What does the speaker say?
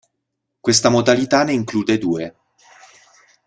Questa modalità ne include due.